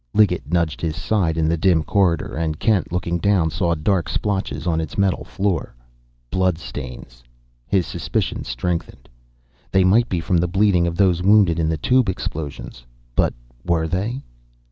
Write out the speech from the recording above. Liggett nudged his side in the dim corridor, and Kent, looking down, saw dark splotches on its metal floor. Blood stains! His suspicions strengthened. They might be from the bleeding of those wounded in the tube explosions. But were they?